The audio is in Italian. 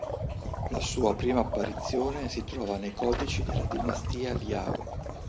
La sua prima apparizione si trova nei codici della Dinastia Liao.